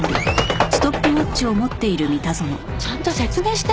ちゃんと説明して。